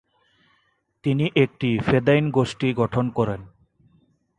তিনি একটি ফেদাইন গোষ্ঠী গঠন করেন।